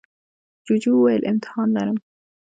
جوجو وویل امتحان لرم.